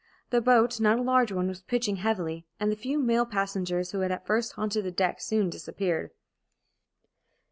The boat, not a large one, was pitching heavily, and the few male passengers who had at first haunted the deck soon disappeared.